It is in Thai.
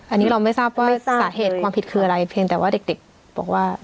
อันนี้เราไม่ทราบว่าสาเหตุความผิดคืออะไรเพียงแต่ว่าเด็กบอกว่า